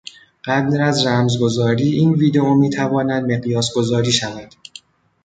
قبل از رمزگذاری، این ویدیو می تواند مقیاس گذاری شود.